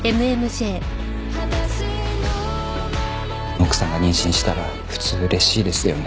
奥さんが妊娠したら普通嬉しいですよね。